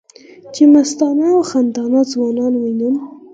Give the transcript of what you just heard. چې مستانه او خندانه ځوانان وینې